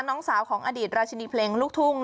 น้องสาวของอดีตราชินีเพลงลูกทุ่ง